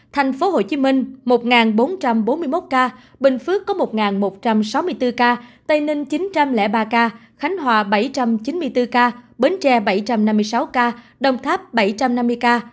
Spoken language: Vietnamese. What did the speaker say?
tp hcm một bốn trăm bốn mươi một ca bình phước có một một trăm sáu mươi bốn ca tây ninh chín trăm linh ba ca khánh hòa bảy trăm chín mươi bốn ca bến tre bảy trăm năm mươi sáu ca đồng tháp bảy trăm năm mươi ca